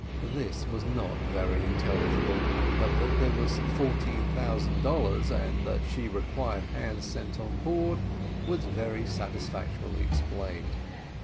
This was not very intelligible, but that there were fourteen thousand dollars, and that she required hands sent on board, was very satisfactorily explained.